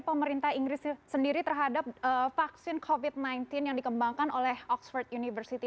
pemerintah inggris sendiri terhadap vaksin covid sembilan belas yang dikembangkan oleh oxford university